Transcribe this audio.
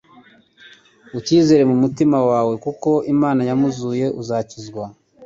ukizera mu mutima wawe ko Imana yamuzuye uzakizwa.”